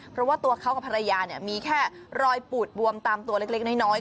เพราะว่าตัวเขากับภรรยามีแค่รอยปูดบวมตามตัวเล็กน้อย